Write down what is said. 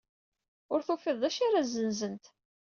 Ur tufiḍ d acu ara zzenzent.